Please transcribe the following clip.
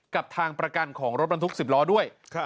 กับทางประกันของรถบรรทุก๑๐ล้อด้วย